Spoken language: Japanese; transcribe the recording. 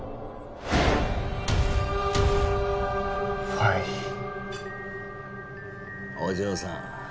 はいφお嬢さん